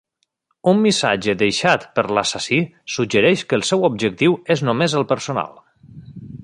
Un missatge deixat per l'assassí suggereix que el seu objectiu és només el personal.